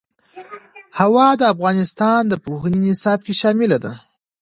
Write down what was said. هوا د افغانستان د پوهنې نصاب کې شامل دي.